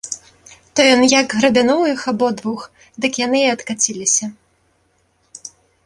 То ён як грабянуў іх абодвух, дык яны і адкаціліся.